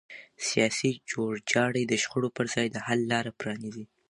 سیاسي جوړجاړی د شخړو پر ځای د حل لاره پرانیزي